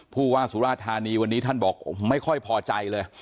ผู้ว่าสุราธานีวันนี้ท่านบอกไม่ค่อยพอใจเลย